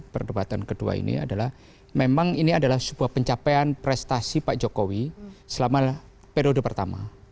perdebatan kedua ini adalah memang ini adalah sebuah pencapaian prestasi pak jokowi selama periode pertama